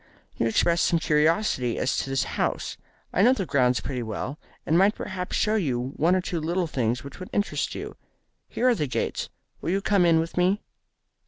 "You expressed some curiosity as to this house. I know the grounds pretty well, and might perhaps show you one or two little things which would interest you. Here are the gates. Will you come in with me?"